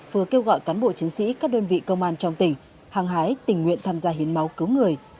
vừa kêu gọi cán bộ chiến sĩ các đơn vị công an trong tỉnh hăng hái tình nguyện tham gia hiến máu cứu người